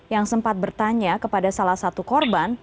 yang sempat bertanya kepada salah satu korban